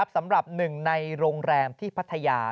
สำหรับหนึ่งในโรงแรมที่พัทยา